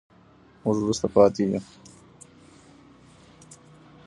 موږ وروسته پاتې يو.